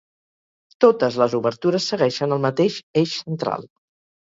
Totes les obertures segueixen el mateix eix central.